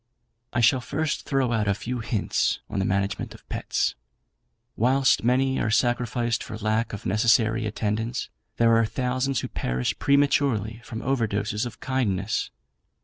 "I shall first throw out a few hints on the Management of Pets. Whilst many are sacrificed for lack of necessary attendance, there are thousands who perish prematurely from overdoses of kindness.